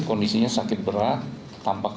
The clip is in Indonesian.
kondisinya sakit berat tampaknya tidak berat